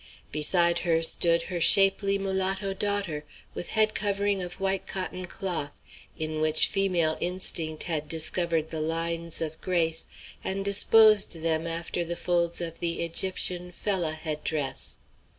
Beside her stood her shapely mulatto daughter, with head covering of white cotton cloth, in which female instinct had discovered the lines of grace and disposed them after the folds of the Egyptian fellah head dress.